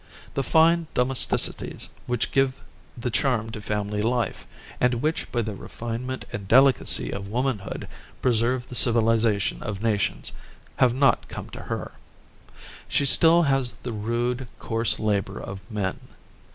The fine domesticities which give the charm to family life, and which, by the refinement and delicacy of womanhood, preserve the civilization of nations, have not come to her. She has still the rude, coarse labor of men.